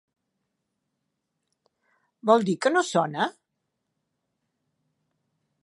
Vol dir que no sona?